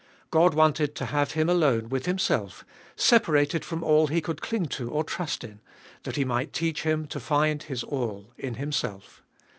God wanted to have him alone with Himself, separated from all he could cling to or trust in, that He might teach him to find his all in Himself.